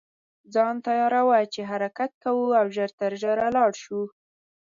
ځان تیاروه چې حرکت کوو او ژر تر ژره لاړ شو.